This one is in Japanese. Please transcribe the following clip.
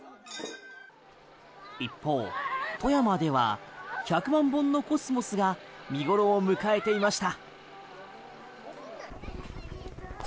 一方、富山では１００万本のコスモスが見頃を迎えていました。